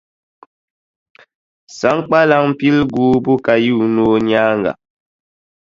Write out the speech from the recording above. Saŋkpaliŋ pili guubu ka yuuni o nyaaŋa.